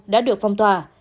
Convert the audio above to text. đã được phong tỏa